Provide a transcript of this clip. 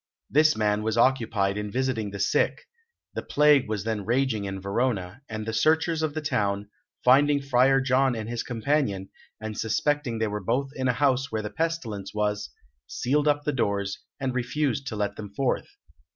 This man was occupied in visiting the sick; the plague was then raging in Verona, and the searchers of the town, finding Friar John and his companion, and suspecting they were both in a house where the pestilence was, sealed up the doors, and refused to let them forth.